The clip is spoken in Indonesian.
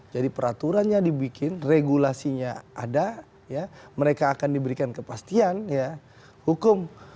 jadi peraturannya dibikin regulasinya ada mereka akan diberikan kepastian hukum